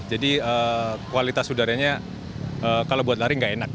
jadi kualitas udaranya kalau buat lari nggak enak